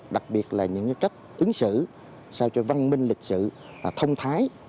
đặc biệt là những cách ứng xử sao cho văn minh lịch sự thông thái